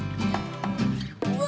うわ！